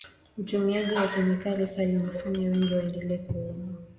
utumiaji wa kemikali kali unawafanya wengi waendelee kuumwa